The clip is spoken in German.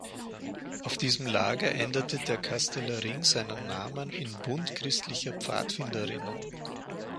Auf diesem Lager änderte der Casteller Ring seinen Namen in Bund Christlicher Pfadfinderinnen.